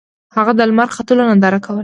هغه د لمر ختلو ننداره کوله.